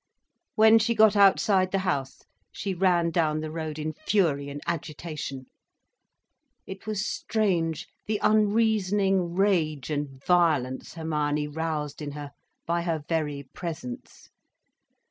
When she got outside the house she ran down the road in fury and agitation. It was strange, the unreasoning rage and violence Hermione roused in her, by her very presence.